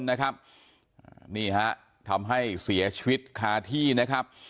นี่ฮะทำให้เสียชีวิตคาที่นะครับ